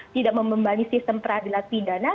tidak membebani sistem peradilan pidana